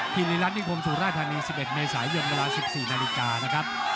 ที่นิรันดิกลมสู่ราธรรมนี้๑๑เมื่อสายเวียงเวลา๑๔นาฬิกานะครับ